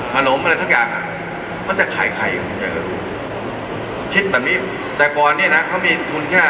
ผนมอะไรทั้งอย่างอ่ะมันจะขายไข่อย่างนี้คิดแบบนี้แต่ก่อนนี้นะเขามีทุนแค่